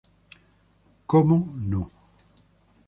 Cómo no.